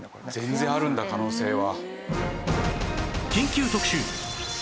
全然あるんだ可能性は。